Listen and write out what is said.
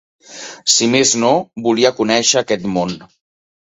Si més no, volia conèixer aquest món.